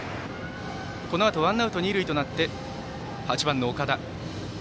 このあとワンアウト、二塁となって８番、岡田。